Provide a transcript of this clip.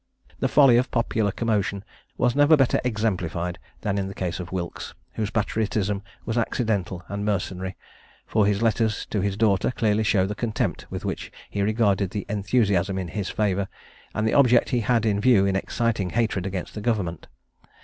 The folly of popular commotion was never better exemplified than in the case of Wilkes, whose patriotism was accidental and mercenary; for his letters to his daughter clearly show the contempt with which he regarded the enthusiasm in his favour, and the object he had in view in exciting hatred against the government.